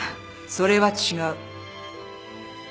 それは違う。